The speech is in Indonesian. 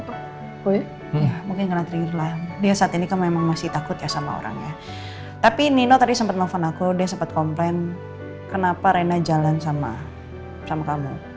ya mungkin karena terliru lah dia saat ini kan memang masih takut ya sama orangnya tapi nino tadi sempat nelfon aku dia sempat komplain kenapa rena jalan sama kamu